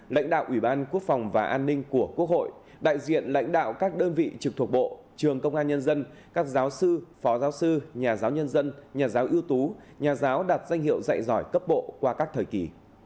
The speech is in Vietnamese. lãnh đạo ủy ban quốc phòng và an ninh của quốc hội đại diện lãnh đạo các đơn vị trực thuộc bộ trường công an nhân dân các giáo sư phó giáo sư nhà giáo nhân dân nhà giáo ưu tú nhà giáo đạt danh hiệu dạy giỏi cấp bộ qua các thời kỳ